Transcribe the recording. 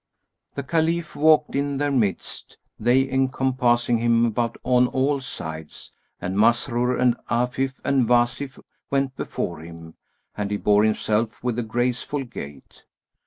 The Caliph walked in their midst, they encompassing him about on all sides, and Masrur and Afíf and Wasíf[FN#188] went before him and he bore himself with a graceful gait.